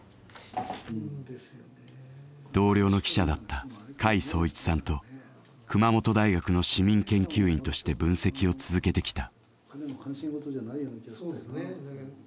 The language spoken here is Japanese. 同僚の記者だった甲斐壮一さんと熊本大学の市民研究員として分析を続けてきた。